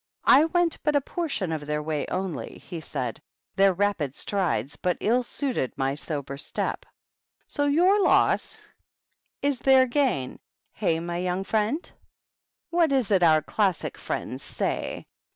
I went but a portion of their way only," he said ;" their rapid strides but ill suited my sober step. So your loss is their gain, hey, my young friend? What is it our f fy THE BISHOPS. 187 classic friends say